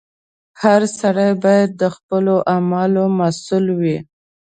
• هر سړی باید د خپلو اعمالو مسؤل وي.